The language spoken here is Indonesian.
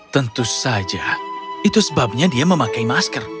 tentu saja itu sebabnya dia memakai masker